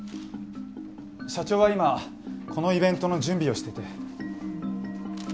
社長は今このイベントの準備をしてて。